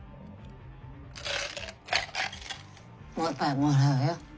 もう一杯もらうよ。